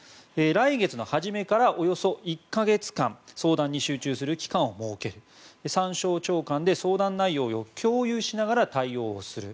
来月の初めからおよそ１か月間相談に集中する期間を設ける３省庁間で相談内容を共有しながら対応する。